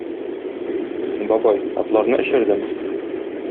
Бабай, атларны эчердем.